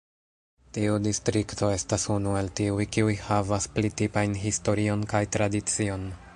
Tiu distrikto estas unu el tiuj kiuj havas pli tipajn historion kaj tradicion.